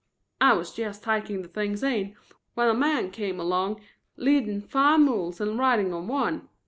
I was jest takin' the things in when a man come along leading five mules and riding on one.